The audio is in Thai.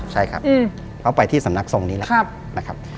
ใช่ครับเขาไปที่สำนักทรงนี้แล้วนะครับ